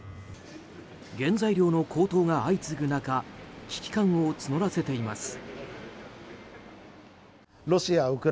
原材料の高騰が相次ぐ中危機感を募らせています。